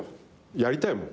やりたいもん。